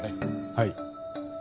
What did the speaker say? はい。